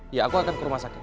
ya aku akan ke rumah sakit